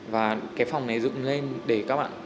và cái phòng này dựng lên để các bạn